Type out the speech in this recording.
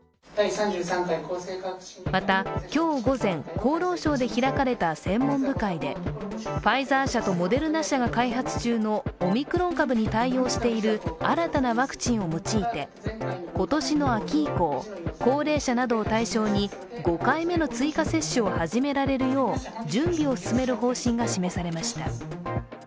また、今日午前、厚労省で開かれた専門部会でファイザー社とモデルナ社が開発中のオミクロン株に対応している新たなワクチンを用いて今年の秋以降、高齢者などを対象に５回目の追加接種を始められるよう準備を進める方針が示されました。